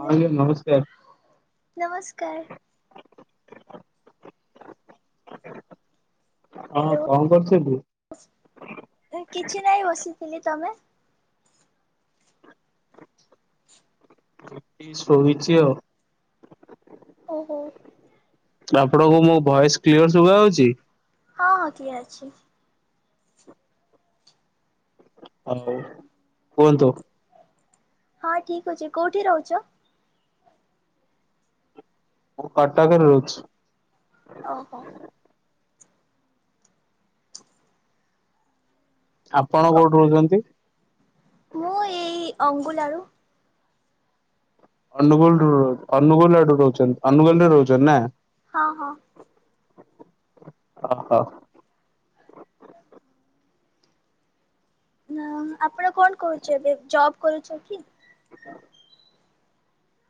ହଁ ଆଜ୍ଞା ନମସ୍କାର। ନମସ୍କାର। ହଁ ହ୍ୟାଲୋ କଣ କରୁଛ ତୁ? କିଛି ନାହିଁ ବସିଥିଲି ତମେ? ଶୋଇଛି ଆଉ। ଓହୋ। ଆପଣଙ୍କୁ ମୋ ଭଏସ କ୍ଲିଅର ଶୁଭା ଯାଉଛି? ହଁ ହଁ କିଏ ଅଛି? ହଉ କୁହନ୍ତୁ। ହଁ ଠିକ ଅଛି କୋଉଠି ରହୁଛ? କଟକ ରେ ରହୁଛି। ଓହୋ। ଆପଣ କ କୋଉଠି ରହୁଛନ୍ତି? ମୁଁ ଏଇ ଅଙ୍ଗୁଲା ରୁ ଅନୁଗୋଳ ଅନୁଗୋଳ ଆଡୁ ରହୁ ଅନୁଗୋଲରେ ରହୁଛନ୍ତି ନା? ହଁ ହଁ ଓ ହୋ। ନା ଆପଣ କଣ କରୁଛେ ଏବେ ଜବ୍ କରୁଛେ କି?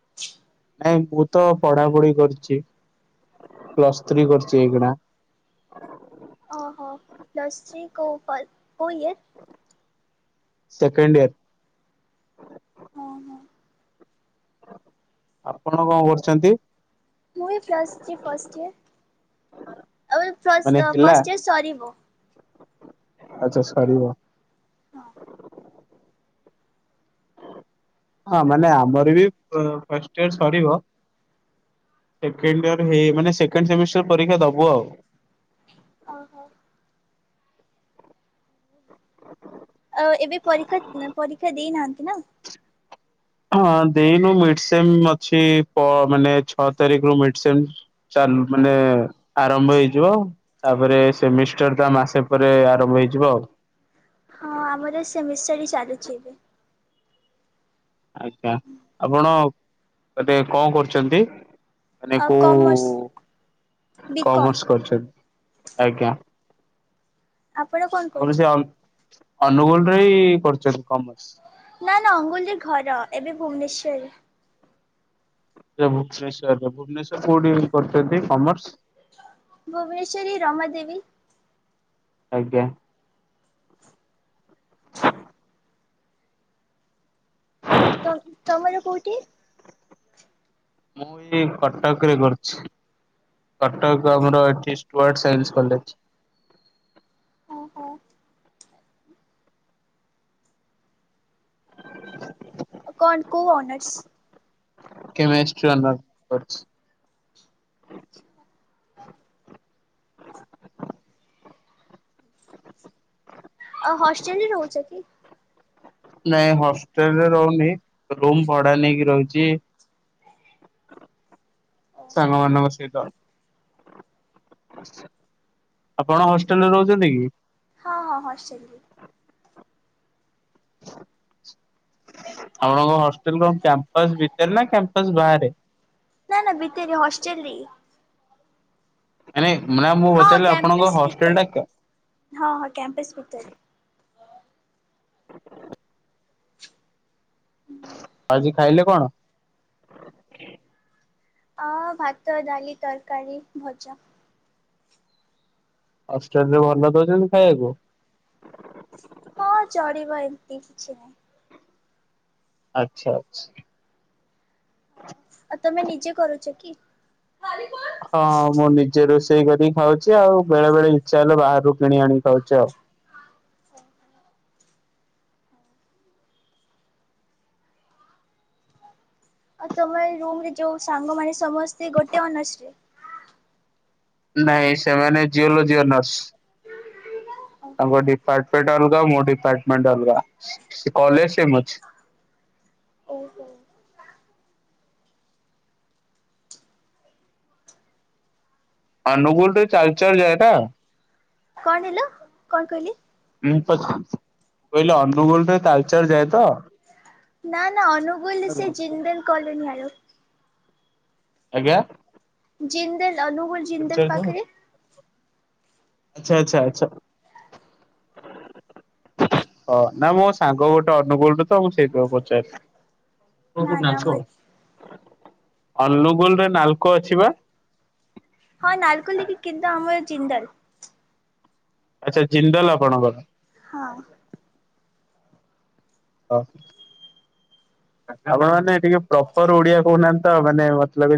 [inaudible] ନାଇଁ ମୁଁ ତ ପଢାପଢି କରିଛି ପ୍ଲସ୍ ଥ୍ରୀ କରିଛି ଏଇଗଣା। ଓହୋ ଲଶ୍ରୀ କଉ ଫଲ କେଉ ୟର୍? Second year. ଓହୋ ଆପଣ କଣ କରୁଛନ୍ତି? ମୁଁ ବି ଫଷ୍ଟ ଫାଷ୍ଟ ଇୟର ମାନେ ଆଉ ହେଲା ଫଷ୍ଟ ଇୟର ସରିବ। ଆଚ୍ଛା ସରିବ। ହଁ। ହଁ ମାନେ ଆମର ବି ଫାଷ୍ଟ୍ ଇଅର ସରିବ। ସେକେଣ୍ଡ ଇୟର ହେଇ ମାନେ ସେକେଣ୍ଡ ସେମିଷ୍ଟାର୍ ପରୀକ୍ଷା ଦବୁ ଆଉ। ଓ ହୋ। [inaudible] ଆଉ ଏବେ ପରୀକ୍ଷା ପରୀକ୍ଷା ଦେଇନାହାନ୍ତି ନା? ହଁ ଦେଇନୁ [unintelligible] ସେମ୍ ଅଛି ପ ମାନେ ଛଅ ତାରିଖରୁ [unintelligible] ସେମ୍ ଚାଲୁ ମାନେ ଆରମ୍ଭ ହେଇଯିବ ଆଉ। ତାପରେ ସେମିଷ୍ଟାର ଟା ମାସେ ପରେ ଆରମ୍ଭ ହେଇଯିବ ଆଉ। ହଁ ଆମର ସେମିଷ୍ଟାର୍ ଚାଲୁଚି ଏବେ। ଆଜ୍ଞା ଆପଣ ଏବେ କଣ କରୁଛନ୍ତି? ମାନେ ଆଉ କୋଉ କମର୍ସ [unintelligible] ବିକମ୍ କରଛନ୍ତି ଆଜ୍ଞା। ଆପଣ [unintelligible] ତାପରେ ସେ ଅ ଅନୁଗୁଳରେ ଏଇ କରୁଚନ୍ତି କମର୍ସ। ନା ନା [unintelligible] ଘର ଏବେ ଭୁବନେଶ୍ୱର ରେ। ସେ ଭୁବନେଶ୍ୱରରେ ଭୁବନେଶ୍ଵର କୋଉଠି କରିଚନ୍ତି କମର୍ସ? ଭୁବନେଶ୍ଵରରେ ରମାଦେବୀ ଆଜ୍ଞା। ତ ତମର କୋଉଠି? ମୁଁ ଏଇ କଟକରେ କରୁଛି। କଟକ ଆମର ଏଠି ଷ୍ଟୁାର୍ଡ ସାଇନ୍ସି କଲେଜ୍। ଓ ହୋ। କଣ କୋଉ ଅନରସ୍? କେମେଷ୍ଟ୍ରି ଅନରସ୍ କରିଛି। ଆଚ୍ଛା। [unintelligible] ହ ଆଉ ହଷ୍ଟେଲ ନଉଛ କି? ନାଇଁ ହଷ୍ଟେଲ ରେ ରହୁନି ରୁମ୍ ଭଡ଼ା ନେଇକି ରହୁଛି। ସାଙ୍ଗମାନଙ୍କ‌ ସହିତ। ଆପଣ ହଷ୍ଟେଲ୍ ରେ ରହୁଛନ୍ତି କି? ହଁ ହଁ ହଷ୍ଟେଲ ରେ। ଆପଣଙ୍କ ହଷ୍ଟେଲ୍ କଣ କ୍ୟାମ୍ପସ ଭିତରେ ନା କ୍ୟାମ୍ପସ ବାହାରେ? ନା ନା ଭିତରେ ହଷ୍ଟେଲ ରେ। ନାଇଁ ମାନେ ମୁଁ ହଁ ପଚାରିଲି ଆପଣଙ୍କ କ୍ୟାମ୍ପସ ଭିତରେ ହଷ୍ଟେଲ ଟା ହଁ ହଁ କ୍ୟାମ୍ପସ୍ ଭିତରେ। ଆଜି ଖାଇଲେ କଣ? ଅ ଭାତ, ଡ଼ାଲି, ତରକାରୀ, ଭଜା। ହଷ୍ଟେଲ ରେ ଭଲ ଦଉଚନ୍ତି ଖାଇବାକୁ? ହଁ ଚଳିବ ଏମିତି କିଛି ନାହିଁ। ଆଚ୍ଛା ଆଚ୍ଛା। ଆଉ ତମେ ନିଜେ କରୁଚ କି? ହଁ ମୁଁ ନିଜେ ରୋଷେଇ କରିକି ଖାଉଛି ଆଉ ବେଳେ ବେଳେ ଇଚ୍ଛା ହେଲେ ବାହାରୁ କିଣି ଆଣିକି ଖାଉଛି ଆଉ। ଆଉ ତୁମ ଏଇ ରୁମ୍ ରେ ଯୋଉ ସାଙ୍ଗମାନେ ସମସ୍ତେ ଗୋଟେ ଅନର୍ସ? ନାଇଁ ସେମାନେ ଜିଓଲୋଜି ଅନର୍ସ। ଓହୋ ତାଙ୍କ ଡିପାଟେମେଣ୍ଟ୍ ଅଲଗା ମୋ ଡିପାଟେମେଣ୍ଟ୍ ଅଲଗା କଲେଜ୍ ସେମ୍ ଅଛି। ଓ ହୋ। ଅନୁଗୁଳ ରେ [unintelligible] କଣ [unintelligible] କଣ କହିଲି? [unintelligible] ମୁଁ କହିଲି ଅନୁଗୁଳ ରେ ତାଳଚେର ଯାଏ ତ? ନା ନା ଅନୁଗୁଲରେ ସେ ଜିନଦଲ କଲୋନୀ ଭାରି ଆଜ୍ଞା। ଜିନ୍ଦଲ ଅନୁଗୁଳ ଜିନ୍ଦଲ ଆଚ୍ଛା ପାଖରେ। ଆଚ୍ଛା ଆଚ୍ଛା ଆଛା। ହଁ ନା ମୋ ସାଙ୍ଗ ଗୋଟେ ଅନୁକୁଳରେ ତ ମୁଁ ସେଇଥିପାଇଁ ପଚାରି ନା ଅନୁଗୁଳ ନା ନାଲକୋ ଆମର ଅନୁଗୁଲରେ ନାଲକୋ ଅଛି ପା। ହଁ ନାଲକୋଲିକ ଲଖି କିନ୍ତୁ ଆମର ଜିନ୍ଦଲ। ଆଚ୍ଛା ଜିନଦଲ ଆପଣଙ୍କର। ହଁ। ହଁ ଆପଣ ମାନେ ଟିକେ ପ୍ରପର ଓଡିଆ କଉନାହାନ୍ତି ତ ମାନେ ମତେ ଲାଗୁଚି